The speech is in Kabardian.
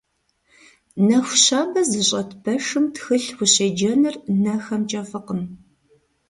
Нэху щабэ зыщӏэт пэшым тхылъ ущеджэныр нэхэмкӏэ фӏыкъым.